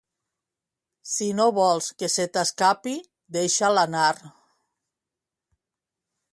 Si no vols que se t'escapi deixa'l anar